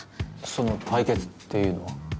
その対決っていうのは？